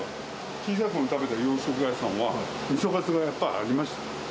小さいころに食べた洋食屋さんは、ミソカツがやっぱりありました。